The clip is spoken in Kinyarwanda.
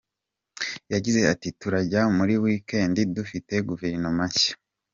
Yagize ati "Turajya muri Wikendi dufite Guverinoma nshya.